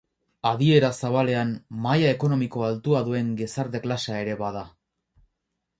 Adiera zabalean, maila ekonomiko altua duen gizarte-klasea ere bada.